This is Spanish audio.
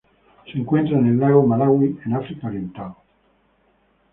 Se encuentra en el lago Malawi en África Oriental.